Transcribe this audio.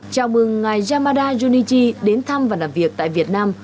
chào mừng ngài yamada junichi đến thăm và làm việc tại việt nam